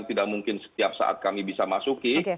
tidak mungkin setiap saat kami bisa masuki